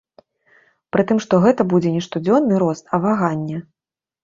Пры тым, што гэта будзе не штодзённы рост, а ваганне.